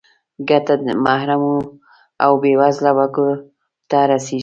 ګټه محرومو او بې وزله وګړو ته رسیږي.